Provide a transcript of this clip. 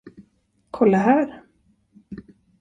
Kolla här.